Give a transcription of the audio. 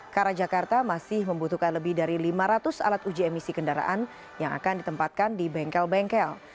karena jakarta masih membutuhkan lebih dari lima ratus alat uji emisi kendaraan yang akan ditempatkan di bengkel bengkel